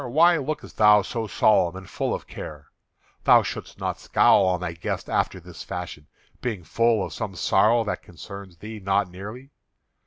why lookest thou so solemn and full of care? Thou shouldst not scowl on thy guest after this fashion, being full of some sorrow that concerns thee not nearly.